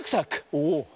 おお！